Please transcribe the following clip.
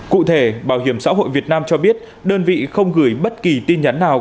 cụ thể bảo hiểm xã hội việt nam cho biết đơn vị không gửi bất kỳ tin nhắn nào